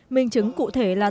mình chứng cụ thể là